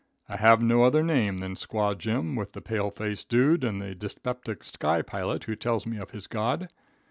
I have no other name than Squaw Jim with the pale faced dude and the dyspeptic sky pilot who tells me of his God.